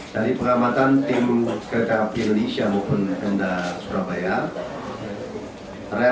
dari pengamatan tim kkp indonesia maupun enda surabaya